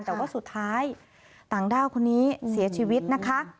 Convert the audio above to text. แต่ว่าสุดท้ายต่างด้าวคนนี้เสียชีวิตนะคะ